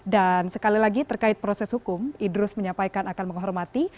dan sekali lagi terkait proses hukum idrus menyampaikan akan menghormati